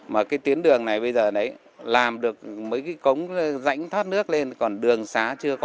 mà cái tuyến đường này bây giờ đấy làm được mấy cái cống rãnh thoát nước lên còn đường xá chưa có